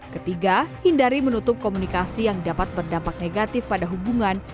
ketiga hindari menutup komunikasi yang dapat berdampak negatif pada hubungan